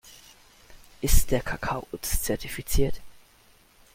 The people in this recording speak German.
Ist der Kakao UTZ-zertifiziert?